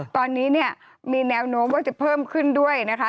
ตอนนี้เนี่ยมีแนวโน้มว่าจะเพิ่มขึ้นด้วยนะคะ